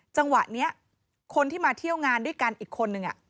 จังหวะนี้คนที่มาเที่ยวงานด้วยกันอีกคนนึง